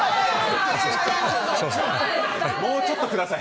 もうちょっとください。